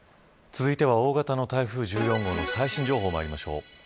続いては大型の台風１４号の最新情報まいりましょう。